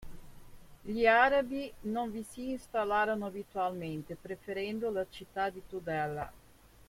Gli Arabi non vi si installarono abitualmente preferendo la città di Tudela.